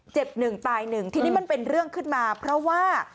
เจ็บหนึ่งตายหนึ่งทีนี้มันเป็นเรื่องขึ้นมาเพราะว่า